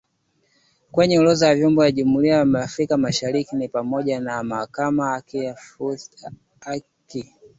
Kwenye vyombo vya Jumuiya ya Afrika Mashariki ikiwa ni pamoja na Mahakama ya Haki ya Afrika, Bunge la Afrika Mashariki na kamati za kisekta.